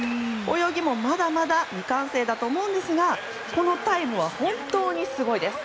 泳ぎも、まだまだ未完成だと思うんですがこのタイムは本当にすごいです。